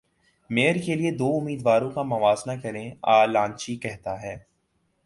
mayor کے لیے دو امیدواروں کا موازنہ کریں اعلانچی کہتا ہے